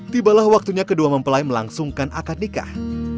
tibalah waktunya kedua mempelai melangsungkan akad nikah